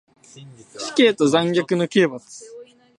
死刑と残虐な刑罰